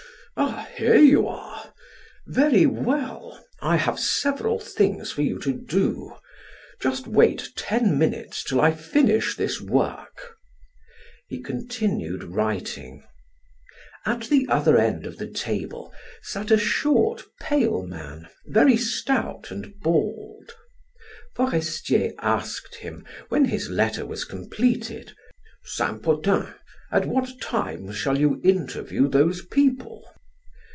"Ah, here you are! Very well; I have several things for you to do. Just wait ten minutes till I finish this work." He continued writing. At the other end of the table sat a short, pale man, very stout and bald. Forestier asked him, when his letter was completed, "Saint Potin, at what time shall you interview those people?"